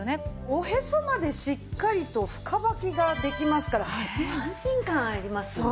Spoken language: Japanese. おへそまでしっかりと深ばきができますから安心感ありますよね。